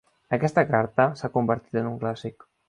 Aquesta carta s'ha convertit en un clàssic.